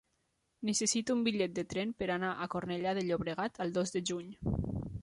Necessito un bitllet de tren per anar a Cornellà de Llobregat el dos de juny.